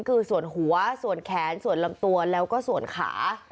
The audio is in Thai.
คือส่วนหัวส่วนแขนส่วนลำตัวแล้วก็ส่วนขา